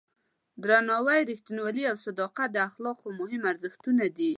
درناوی، رښتینولي او صداقت د اخلاقو مهم ارزښتونه دي.